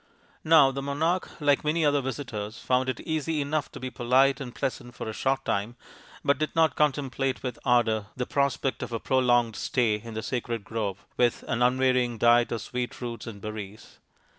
Now the monarch, like many other visitors, found it easy enough to be polite and pleasant for a short time, but did not contemplate with ardour the prospect of a prolonged stay in the sacred grove, and an unvarying diet of sweet roots and berries.